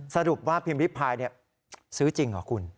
สรุปว่าพิมพ์ริพายซื้อจริงเหรอคุณ